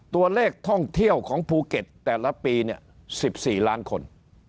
ตัวเลขท่องเที่ยวของภูเก็ตแต่ละปีเนี่ย๑๔ล้านคน